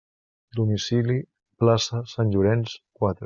Domicili: plaça Sant Llorenç, quatre.